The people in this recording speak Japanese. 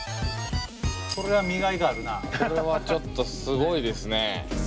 これはちょっとすごいですね。